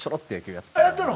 やってたの？